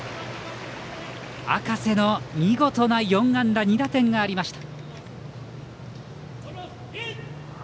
赤瀬の見事な４安打２打点がありました。